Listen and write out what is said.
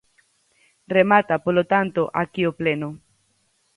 Remata, polo tanto, aquí o pleno.